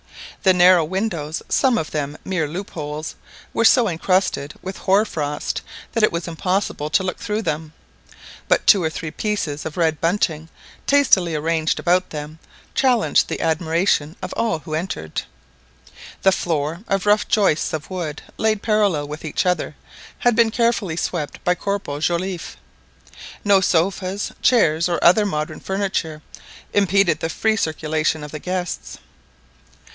The narrow windows, some of them mere loop holes, were so encrusted with hoar frost, that it was impossible to look through them; but two or three pieces of red bunting, tastily arranged about them, challenged the admiration of all who entered. The floor, of rough joists of wood laid parallel with each other, had been carefully swept by Corporal Joliffe. No sofas, chairs, or other modern furniture, impeded the free circulation of the guests.